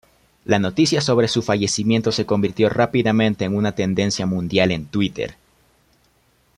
La noticia sobre su fallecimiento se convirtió rápidamente en una tendencia mundial en Twitter.